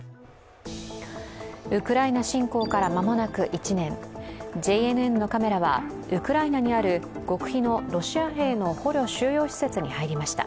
ウクライナ侵攻から間もなく１年ＪＮＮのカメラはウクライナにある極秘のロシア兵の捕虜収容施設に入りました。